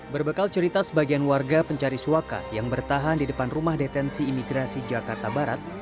berbekal cerita sebagian warga pencari suaka yang bertahan di depan rumah detensi imigrasi jakarta barat